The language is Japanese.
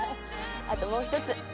あともう一つ。